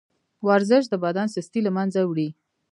ورزش د بدن سستي له منځه وړي.